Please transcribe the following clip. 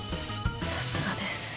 さすがです。